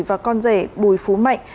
và con rể bùi phú mạnh